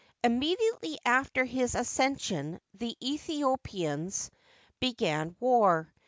Immediately after his accession the Aethiopians began war.